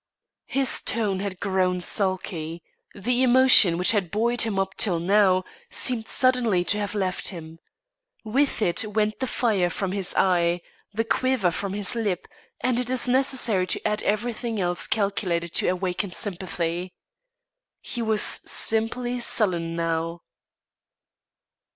His tone had grown sulky, the emotion which had buoyed him up till now, seemed suddenly to have left him. With it went the fire from his eye, the quiver from his lip, and it is necessary to add, everything else calculated to awaken sympathy. He was simply sullen now.